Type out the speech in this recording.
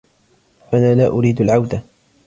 أنا لا أريد العودة.